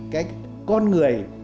cái con người